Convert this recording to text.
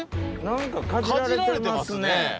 何かかじられてますね。